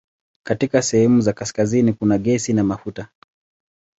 Katika sehemu za kaskazini kuna gesi na mafuta.